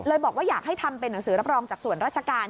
บอกว่าอยากให้ทำเป็นหนังสือรับรองจากส่วนราชการ